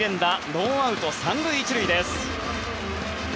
ノーアウト３塁１塁です。